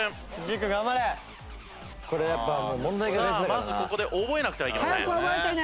まずここで覚えなくてはいけません。